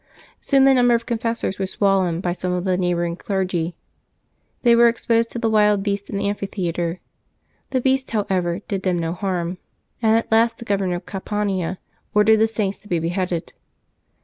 Soon the number of the confessors was swollen by some of the neighboring clergy. They were exposed to the wild beasts in the amphitheatre. The beasts, however, did them no harm; and at last the Governor of Campania ordered the Saints to be beheaded.